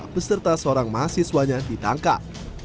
beserta seorang mahasiswanya ditangkap